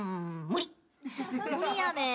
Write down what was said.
無理やねん。